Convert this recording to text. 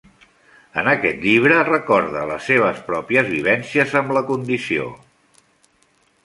En aquest llibre recorda les seves pròpies vivències amb la condició.